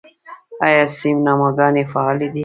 آیا سینماګانې فعالې دي؟